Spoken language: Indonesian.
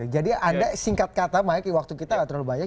jadi anda singkat kata maik waktu kita nggak terlalu banyak